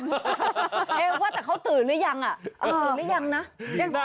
ว่าแต่เขาตื่นหรือยังอ่ะตื่นหรือยังนะ